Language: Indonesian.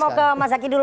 saya mau ke mas zaky dulu